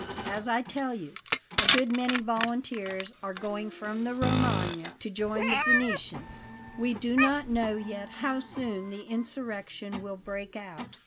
"As I tell you, a good many volunteers are going from the Romagna to join the Venetians. We do not know yet how soon the insurrection will break out.